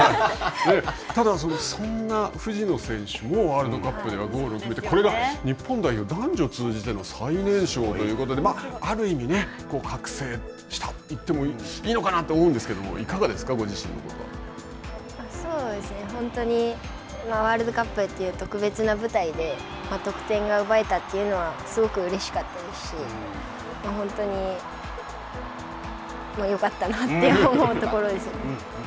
ただ、そんな藤野選手もワールドカップではゴールを決めて、これが日本代表、男女通じての最年少ということで、ある意味覚醒したといってもいいのかなと思うんですけれども、いかがですか、ご本当にワールドカップという特別な舞台で得点が奪えたというのはすごくうれしかったですし、本当によかったなって思うところです。